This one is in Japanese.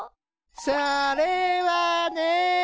それはね。